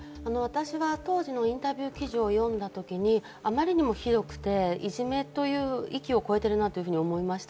当時のインタビュー記事を読んだときにあまりにもひどくて、いじめという域を超えてるなと思いました。